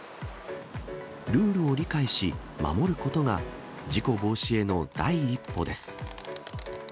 ルールを理解し、守ることが事故防止への第一歩です。